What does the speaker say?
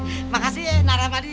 terima kasih ya nak ramadi ya